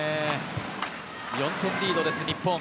４点リードです、日本。